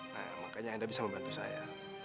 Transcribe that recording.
nah makanya anda bisa membantu saya